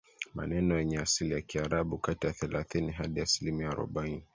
maneno yenye asili ya Kiarabu kati ya thelathini Hadi asilimia arobaini